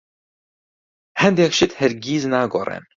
هەندێک شت هەرگیز ناگۆڕێن.